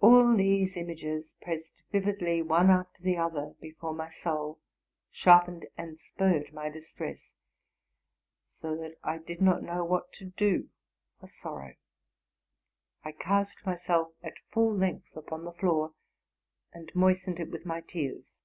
All these images pressed vividly one after the other before my soul, sharpened and spurred my distress, so that I did not know what to do for sorrow. I cast myself at full length upon the floor, and moistened it with my tears.